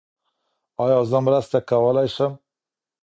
ایا زه مرسته کولي شم؟